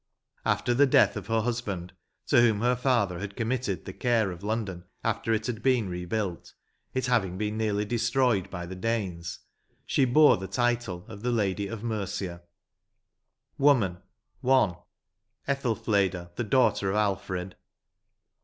After the death of her husband, to whom her father had committed the care of London after it had been rebuilt (it haviag been nearly destroyed by the Danes), she bore the title of the Lady of Mercia. 109 LIV. WOMAN. — I. ETHELFLEDA, THE DAUGHTER OF ALFRED.